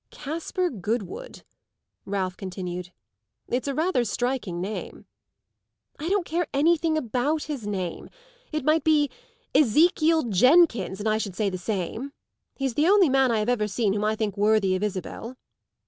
"Caspar Goodwood," Ralph continued "it's rather a striking name." "I don't care anything about his name. It might be Ezekiel Jenkins, and I should say the same. He's the only man I have ever seen whom I think worthy of Isabel."